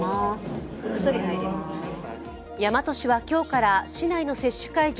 大和市は今日から市内の接種会場